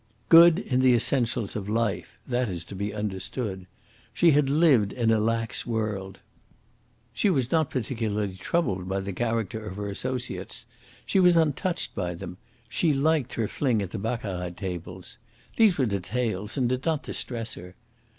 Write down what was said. Good in the essentials of life, that is to be understood. She had lived in a lax world. She was not particularly troubled by the character of her associates; she was untouched by them; she liked her fling at the baccarat tables. These were details, and did not distress her.